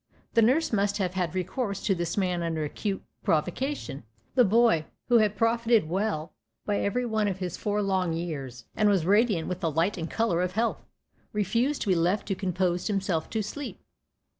The nurse must have had recourse to this man under acute provocation. The boy, who had profited well by every one of his four long years, and was radiant with the light and colour of health, refused to be left to compose himself to sleep.